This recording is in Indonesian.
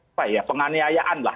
apa ya penganiayaan lah